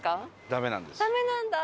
ダメなんだ。